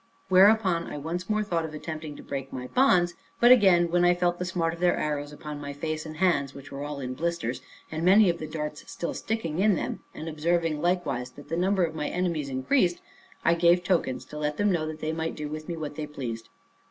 Whereupon I once more thought of attempting to break my bonds; but again, when I felt the smart of their arrows, upon my face and hands, which were all in blisters, and many of the darts still sticking in them; and observing likewise that the number of my enemies increased, I gave tokens, to let them know that they might do with me what they pleased.